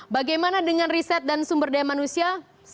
bagaimana dengan riset dan sumber daya manusia